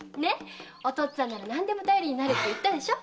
お父っつぁんなら何でも頼りになるでしょ？